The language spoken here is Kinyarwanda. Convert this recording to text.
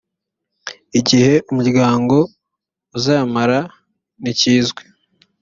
igihe umuryango uzamara ntikizwi